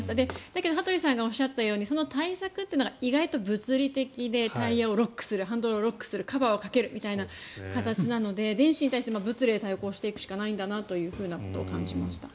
だけど、羽鳥さんがおっしゃったようにその対策というのが意外と物理的でタイヤをロックするハンドルをロックするカバーをかけるみたいな形なので電子に対して物理で対抗していくしかないんだなということを感じました。